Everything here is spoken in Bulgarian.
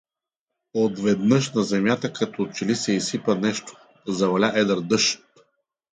Отведнаж на земята като че ли се изсипа нещо, заваля едър дъжд.